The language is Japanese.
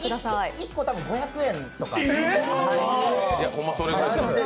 １個、多分５００円とか。